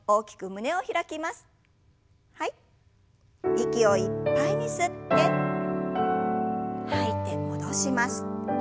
息をいっぱいに吸って吐いて戻します。